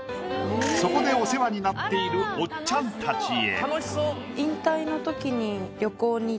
そこでお世話になっているおっちゃんたちへ。